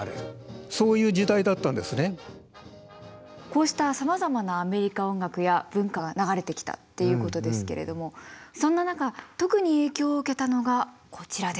こうしたさまざまなアメリカ音楽や文化が流れてきたっていうことですけれどもそんな中特に影響を受けたのがこちらです。